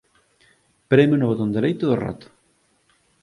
Preme no botón dereito do rato